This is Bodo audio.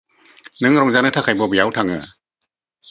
नों रंजानो थाखाय बबेयाव थाङो?